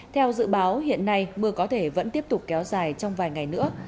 theo dự báo hiện nay mưa có thể vẫn tiếp tục kéo dài trong vài ngày nữa